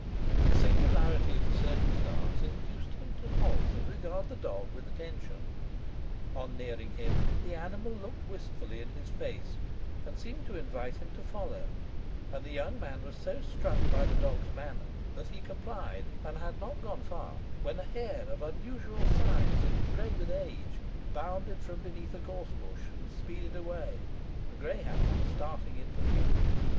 The singularity of the circumstance induced him to halt and regard the dog with attention. On nearing him, the animal looked wistfully in his face, and seemed to invite him to follow; and the young man was so struck by the dog's manner, that he complied, and had not gone far when a hare of unusual size and grey with age bounded from beneath a gorse bush and speeded away, the greyhound starting in pursuit.